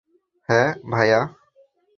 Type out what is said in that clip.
হ্যাঁ, ভাইয়া।